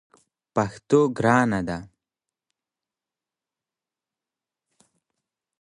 پښتو ګرانه ده!